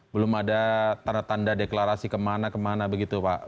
belum ada tanda tanda deklarasi kemana kemana begitu pak